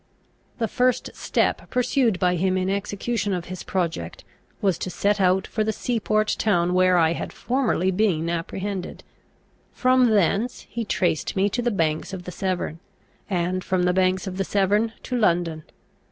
The first step pursued by him in execution of his project, was to set out for the sea port town where I had formerly been apprehended. From thence he traced me to the banks of the Severn, and from the banks of the Severn to London.